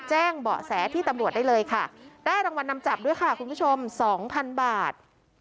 แจ้งเบาะแสที่ตำรวจได้เลยค่ะได้รางวัลนำจับด้วยค่ะคุณผู้ชมสองพันบาท